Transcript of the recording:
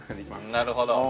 なるほど。